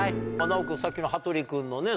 奈緒君さっきの羽鳥君のね